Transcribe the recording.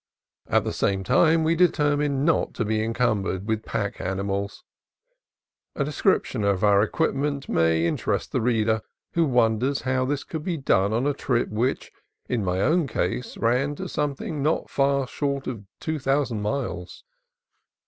At the same time we determined not to be encumbered with pack animals. A description of our equipment may inter est the reader who wonders how this could be done on a trip which, in my own case, ran to something not far short of two thousand miles.